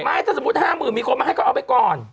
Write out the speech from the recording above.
ไม่ถ้าสมมติ๕หมื่นมีคนมาให้ก็เอาไปก่อน